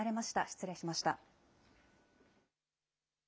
失礼しました。